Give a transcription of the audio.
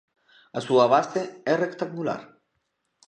A súa base é rectangular.